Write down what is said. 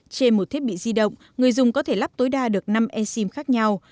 trên một thiết bị di động người dùng có thể lắp tối đa được năm e sim khác nhau